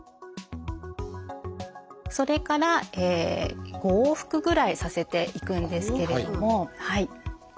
それから５往復ぐらいさせていくんですけれども。